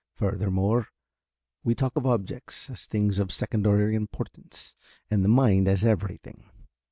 Furthermore, we talk of objects as things of secondary importance and the mind as everything.